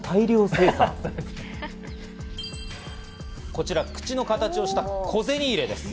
こちら、口の形をした小銭入れです。